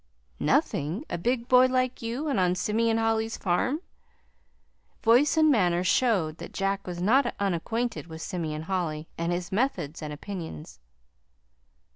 "Nothing! a big boy like you and on Simeon Holly's farm?" Voice and manner showed that Jack was not unacquainted with Simeon Holly and his methods and opinions.